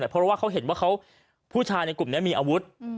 เพราะว่าเขาเห็นว่าผู้ชายในกลุ่มนี้มีอาวุธ